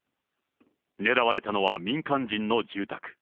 狙われたのは民間人の住宅。